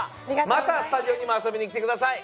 またスタジオにもあそびにきてください。